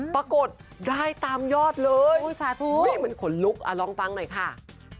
ปรากฏได้ตามยอดเลยมันขนลุกลองฟังหน่อยค่ะ